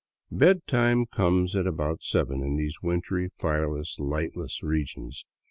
Bedtime comes at about seven in these wintry, fireless, llghtless regions.